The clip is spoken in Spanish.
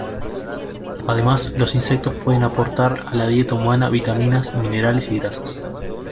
Además los insectos pueden aportar a la dieta humana vitaminas, minerales y grasas.